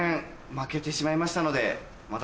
負けてしまいましたので。